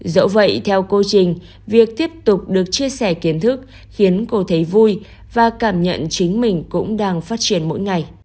dẫu vậy theo cô trình việc tiếp tục được chia sẻ kiến thức khiến cô thấy vui và cảm nhận chính mình cũng đang phát triển mỗi ngày